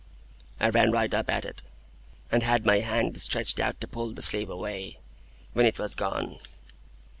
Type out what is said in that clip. I ran right up at it, and had my hand stretched out to pull the sleeve away, when it was gone."